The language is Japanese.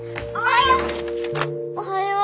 おはよう！